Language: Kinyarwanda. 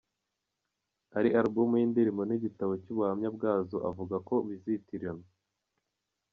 Ari Album y’indirimbo n’igitabo cy’ubuhamya bwazo avuga ko bizitiranwa.